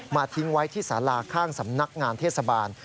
ทิ้งไว้ที่สาราข้างสำนักงานเทศบาล